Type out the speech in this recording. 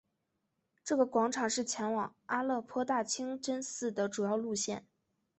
这个广场是前往阿勒颇大清真寺的主要路线。